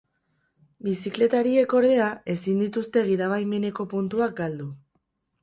Bizikletariek, ordea, ezin dituzte gida-baimeneko puntuak galdu.